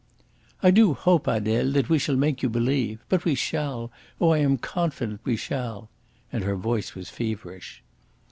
"I do hope, Adele, that we shall make you believe. But we shall. Oh, I am confident we shall." And her voice was feverish.